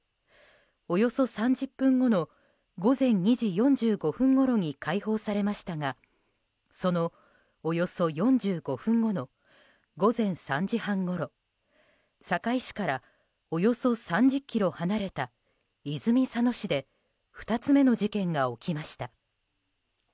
およそ３０分後の午前２時４５分ごろに解放されましたがそのおよそ４５分後の午前３時半ごろ堺市からおよそ３０ｋｍ離れた泉佐野市で２つ目の事件が起きました。